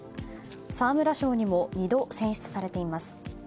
沢村賞にも２度選出されています。